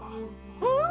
うん！